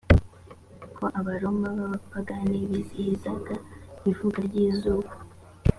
ko abaroma b abapagani bizihizaga ivuka ry izuba